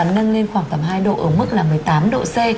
nâng lên khoảng tầm hai độ ở mức là một mươi tám độ c